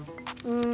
うん！